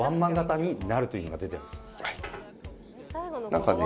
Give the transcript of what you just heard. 何かね